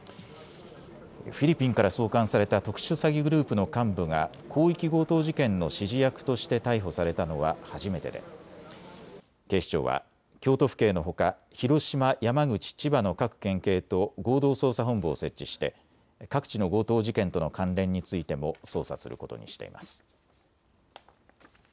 フィリピンから送還された特殊詐欺グループの幹部が広域強盗事件の指示役として逮捕されたのは初めてで警視庁は京都府警のほか広島、山口、千葉の各県警と合同捜査本部を設置して各地の強盗事件との関連についても捜査することにしています。